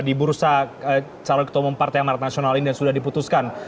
di bursa calon ketomong partai amret nasional ini sudah diputuskan